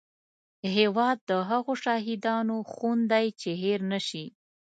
هیواد د هغو شهیدانو خون دی چې هېر نه شي